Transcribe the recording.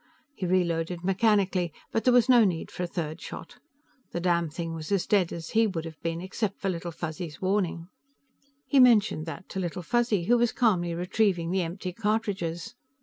He reloaded mechanically, but there was no need for a third shot. The damnthing was as dead as he would have been except for Little Fuzzy's warning. He mentioned that to Little Fuzzy, who was calmly retrieving the empty cartridges.